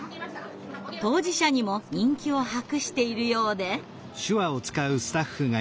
当事者にも人気を博しているようで。